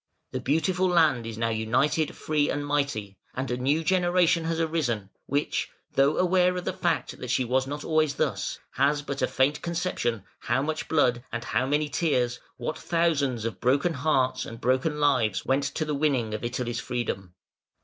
The beautiful land is now united, free, and mighty; and a new generation has arisen, which, though aware of the fact that she was not always thus, has but a faint conception how much blood and how many tears, what thousands of broken hearts and broken lives went to the winning of Italy's freedom.